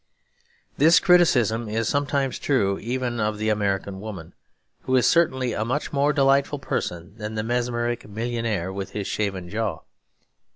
This criticism is sometimes true even of the American woman, who is certainly a much more delightful person than the mesmeric millionaire with his shaven jaw.